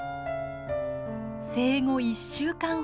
生後１週間ほど。